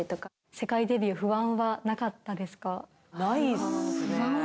世界デビュー、不安はなかっないっすね。